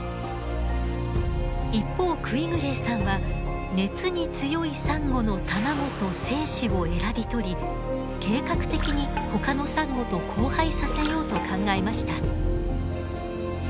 一方クィグレーさんは熱に強いサンゴの卵と精子を選び取り計画的にほかのサンゴと交配させようと考えました。